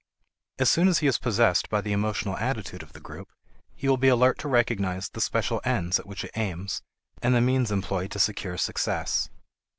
As soon as he is possessed by the emotional attitude of the group, he will be alert to recognize the special ends at which it aims and the means employed to secure success.